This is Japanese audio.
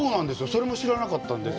それも知らなかったんですよ。